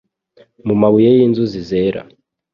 Mu mabuye yinzuzi zera.